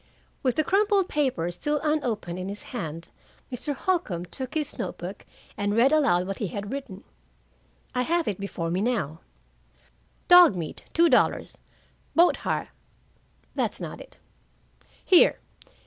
With the crumpled paper still unopened in his hand, Mr. Holcombe took his note book and read aloud what he had written. I have it before me now: "'Dog meat, two dollars, boat hire' that's not it. Here.